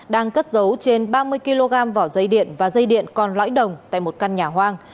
đang cất dấu trên ba mươi kg vỏ dây điện và dây điện còn lõi đồng tại một căn nhà hoang